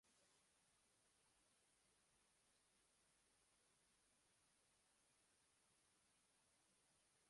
Notarius tomonidan ta`minlangan dalillarni sud qabul qilishi mumkinmi?